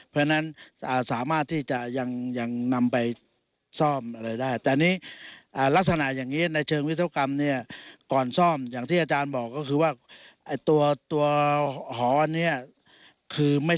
เพราะฉะนั้นสามารถที่จะยังนำไปซ่อมอะไรได้